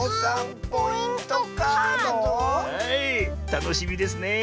たのしみですねえ。